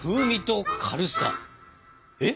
えっ？